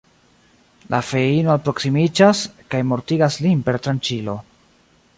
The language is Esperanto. La feino alproksimiĝas, kaj mortigas lin per tranĉilo.